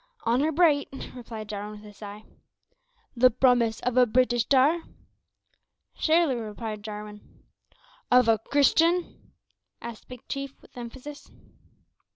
"Honour bright," replied Jarwin with a sigh. "The promise of a Breetish tar?" "Surely," replied Jarwin. "Of a Christian?" said Big Chief, with emphasis.